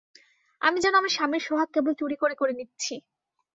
আমি যেন আমার স্বামীর সোহাগ কেবল চুরি করে করে নিচ্ছি।